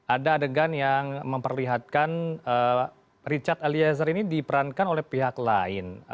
ada adegan yang memperlihatkan richard eliezer ini diperankan oleh pihak lain